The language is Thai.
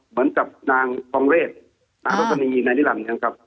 เหมือนกับนางทองเรศนางรสนีนายนิรันดินะครับ